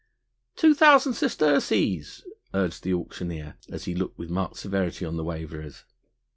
"Two thousand sesterces!" urged the auctioneer, as he looked with marked severity on the waverers.